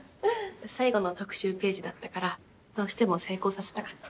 最後の特集ページだったからどうしても成功させたかった。